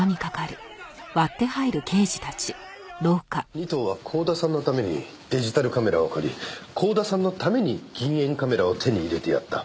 仁藤は光田さんのためにデジタルカメラを借り光田さんのために銀塩カメラを手に入れてやった。